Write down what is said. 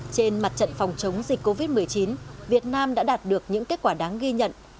trên mặt trận phòng chống dịch covid một mươi chín việt nam đã đạt được những kết quả đáng ghi nhận